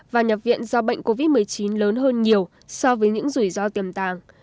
và nhập viện do bệnh covid một mươi chín lớn hơn nhiều so với những rủi ro tiềm tàng